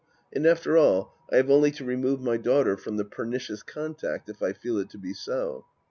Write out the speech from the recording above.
And after all, I have only to remove my daughter from the pernicious contact if I feel it to be so.